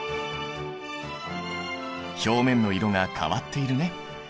表面の色が変わっているね。